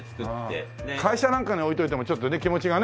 会社なんかに置いておいてもちょっとね気持ちがね。